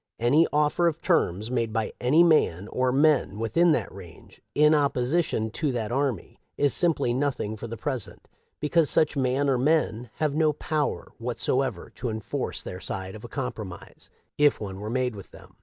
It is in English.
Any offer of terms made by any man or men within that range in opposition to that army is simply nothing for the present, because such man or men have no power whatever to enforce their side of a compro mise, if one were made with them.